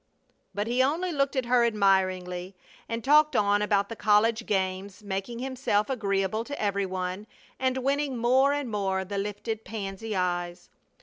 But he only looked at her admiringly, and talked on about the college games, making himself agreeable to every one, and winning more and more the lifted pansy eyes.